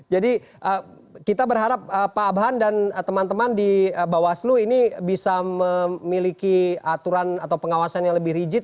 jadi kita berharap pak abhan dan teman teman di bawaslu ini bisa memiliki aturan atau pengawasan yang lebih rigid